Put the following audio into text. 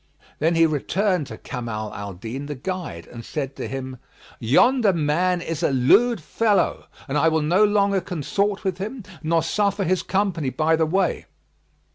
Then he returned to Kamal Al Din the guide and said to him, "Yonder man is a lewd fellow, and I will no longer consort with him nor suffer his company by the way."